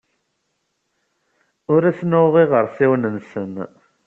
Ur asen-neɣɣeɣ iɣersiwen-nsen.